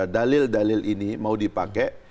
dalil dalil ini mau dipakai